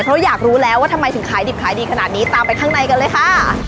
เพราะอยากรู้แล้วว่าทำไมถึงขายดิบขายดีขนาดนี้ตามไปข้างในกันเลยค่ะ